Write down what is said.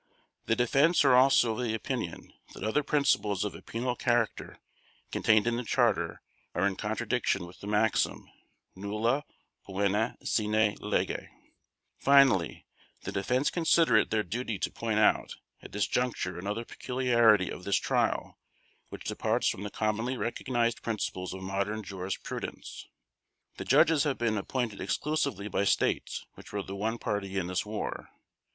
The Defense are also of the opinion that other principles of a penal character contained in the Charter are in contradiction with the maxim, "Nulla Poena Sine Lege". Finally, the Defense consider it their duty to point out at this juncture another peculiarity of this Trial which departs from the commonly recognized principles of modern jurisprudence. The Judges have been appointed exclusively by States which were the one party in this war.